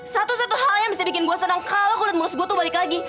satu satu hal yang bisa bikin gue senang kalau kulit mulus gue tuh balik lagi